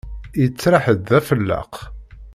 Yettriḥ-d d afelleq.